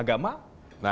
menikam pancasila dari